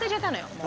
もう。